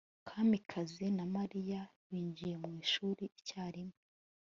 kamanzi na mariya binjiye mu ishuri icyarimwe